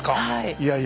いやいや。